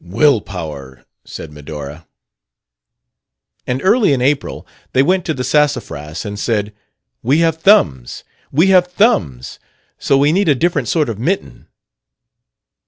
"Will power!" said Medora. "And early in April they went to the Sassafras and said: 'We have thumbs! We have thumbs! So we need a different sort of mitten.'